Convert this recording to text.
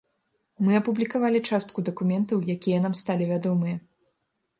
Мы апублікавалі частку дакументаў, якія нам сталі вядомыя.